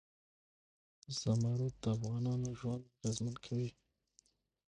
زمرد د افغانانو ژوند اغېزمن کوي.